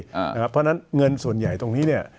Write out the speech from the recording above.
เพราะฉะนั้นเงินส่วนใหญ่ตรงนี้เนี่ย